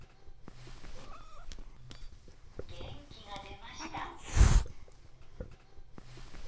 元気が出ました。